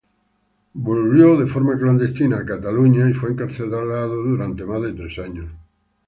Devolvió, de forma clandestina, en Cataluña y fue encarcelado durante más de tres años.